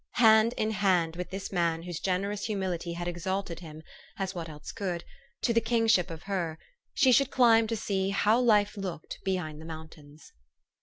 Hand in hand with this man whose generous hu mility had exalted him as what else could? to the kingship of her, she should climb to see "how life looked behind the mountains."